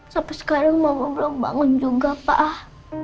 sampai sekarang mama belum bangun juga pak ah